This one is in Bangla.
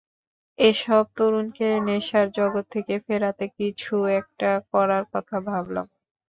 এসব তরুণকে নেশার জগৎ থেকে ফেরাতে কিছু একটা করার কথা ভাবলাম।